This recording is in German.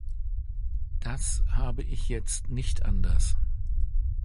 Das habe ich jetzt nicht anders.